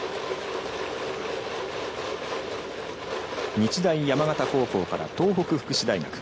日大山形高校から東北福祉大学。